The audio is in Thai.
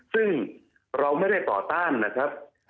ซึ่งเราไม่ได้ต่อต้านนะครับ